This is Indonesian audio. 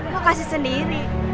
kok kasih sendiri